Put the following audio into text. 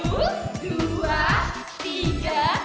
kok mutep lagi sih kakinya